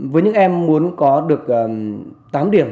với những em muốn có được tám điểm